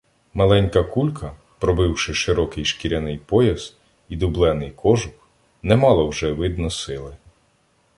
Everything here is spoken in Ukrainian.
Маленька кулька, пробивши широкий шкіряний пояс і дублений кожух, не мала вже, видно, сили.